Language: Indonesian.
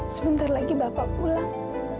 sebentar lagi bapak pulang